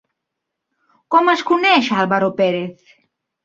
Com es coneix a Álvaro Pérez?